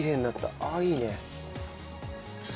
あっいいね。